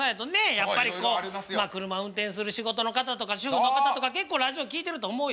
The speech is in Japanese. やっぱりこう車運転する仕事の方とか主婦の方とか結構ラジオ聴いてると思うよ。